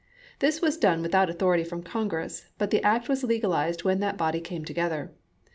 This was done without authority from Congress, but the act was legalized when that body came together.